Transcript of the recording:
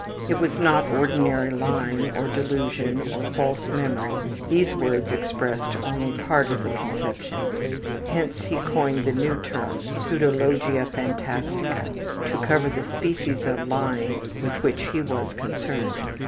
It was not ordinary lying, or delusion, or false memory, these words express only part of the conception; hence he coined the new term, pseudologia phantastica, to cover the species of lying with which he was concerned.